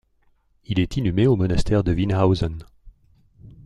Il est inhumé au monastère de Wienhausen.